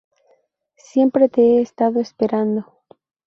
Siempre te he estado esperando.